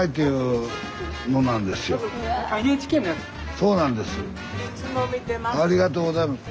そうなんです。